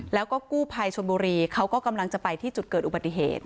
แล้วก็กู้ภัยชนบุรีเขาก็กำลังจะไปที่จุดเกิดอุบัติเหตุ